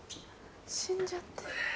死んじゃってる。